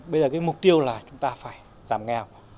bây giờ cái mục tiêu là chúng ta phải giảm nghèo